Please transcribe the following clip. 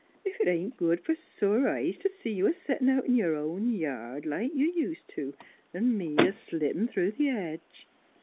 " Ef it ain't good f'r sore eyes t' see you a settin' out in your own yard, like you ust' to, an' me a slippin' through the hedge."